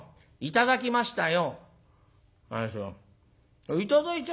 「頂きましたよ」。